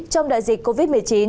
trong đại dịch covid một mươi chín